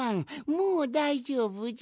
もうだいじょうぶじゃ。